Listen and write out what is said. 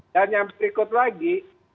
dan yang berikut lagi